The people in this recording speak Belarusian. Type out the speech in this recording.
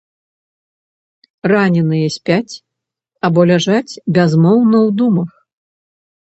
Раненыя спяць або ляжаць бязмоўна ў думах.